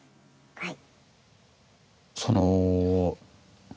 はい。